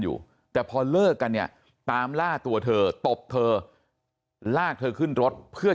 อยู่แต่พอเลิกกันเนี่ยตามล่าตัวเธอตบเธอลากเธอขึ้นรถเพื่อ